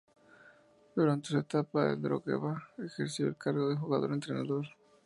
Durante su etapa en el Drogheda ejerció el cargo de jugador-entrenador.